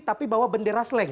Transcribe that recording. tapi bawa bendera slang